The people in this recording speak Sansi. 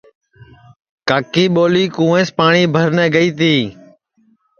کاکی ٻولی کُوینٚس پاٹؔی بھر نے گئی تی